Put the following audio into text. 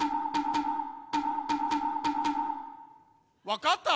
わかった？